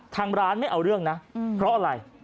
ทางร้านไม่เอาเรื่องนะเพราะอะไร